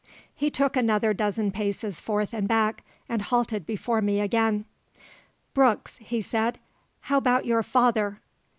He took another dozen paces forth and back, and halted before me again. "Brooks," he said, "how about your father?"